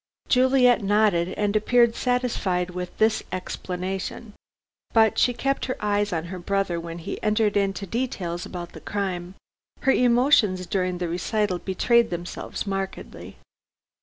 Juliet nodded and appeared satisfied with this explanation. But she kept her eyes on her brother when he entered into details about the crime. Her emotions during the recital betrayed themselves markedly.